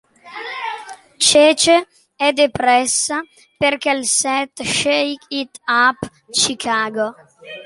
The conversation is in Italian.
Cece è depressa perché il set "Shake It Up, Chicago!